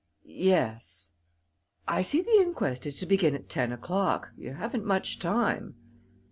"Yes I see the inquest is to begin at ten o'clock. You haven't much time."